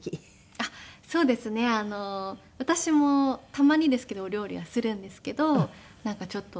私もたまにですけどお料理はするんですけどなんかちょっと。